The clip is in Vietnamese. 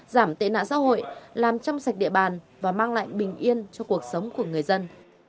giảm tệ nạn xã hội làm trong sạch địa bàn và mang lại bình yên cho cuộc sống của người dân